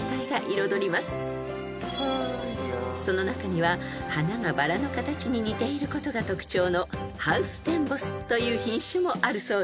［その中には花がバラの形に似ていることが特徴のハウステンボスという品種もあるそうです］